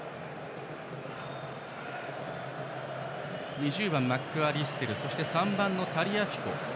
２０番、マックアリステル３番のタリアフィコ。